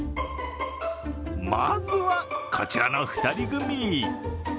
まずはこちらの２人組。